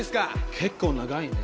結構長いね。